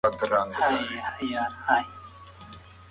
اتحاد کې د ولس خیر دی.